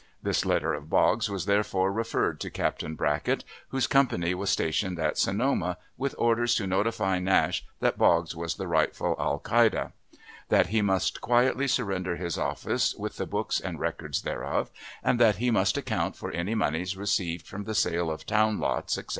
This letter of Boggs was therefore referred to Captain Brackett, whose company was stationed at Sonoma, with orders to notify Nash that Boggs was the rightful alcalde; that he must quietly surrender his office, with the books and records thereof, and that he must account for any moneys received from the sale of town lots, etc.